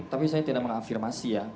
tapi saya tidak mengafirmasi ya